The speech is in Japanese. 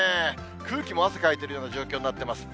空気も汗かいてるような状況になってます。